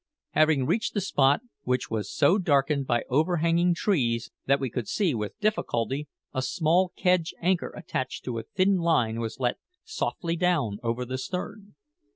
Having reached the spot, which was so darkened by overhanging trees that we could see with difficulty, a small kedge anchor attached to a thin line was let softly down over the stern.